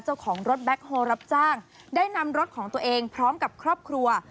เจ้าของรถแบ็คโฮลรับจ้างได้นำรถของตัวเองพร้อมกับครอบครัว